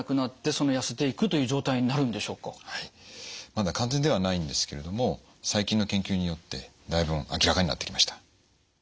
まだ完全ではないんですけれども最近の研究によってだいぶ明らかになってきました。